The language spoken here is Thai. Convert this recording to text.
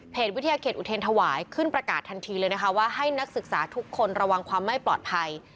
วิทยาเขตอุเทรนธวายขึ้นประกาศทันทีเลยนะคะว่าให้นักศึกษาทุกคนระวังความไม่ปลอดภัย